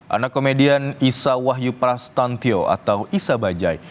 anak komedian isa wahyu prastantio atau isa bajai